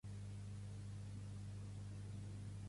Què es cou a Instagram ara mateix?